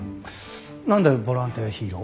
何でボランティアヒーロー？